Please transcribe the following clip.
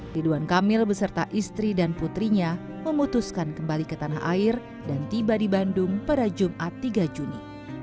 ridwan kamil beserta istri dan putrinya memutuskan kembali ke tanah air dan tiba di bandung pada jumat tiga juni